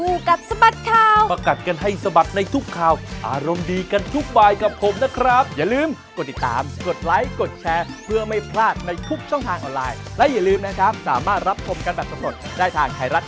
เออก็ยินดีกับคู่นี้ด้วยนะคะ